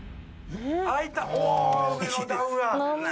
開いたお！